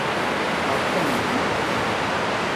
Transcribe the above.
Percent, না?